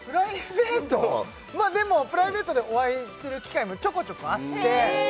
まあでもプライベートでお会いする機会もちょこちょこあってへえ